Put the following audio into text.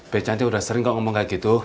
becanti udah sering kok ngomong kayak gitu